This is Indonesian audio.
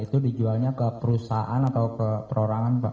itu dijualnya ke perusahaan atau ke perorangan pak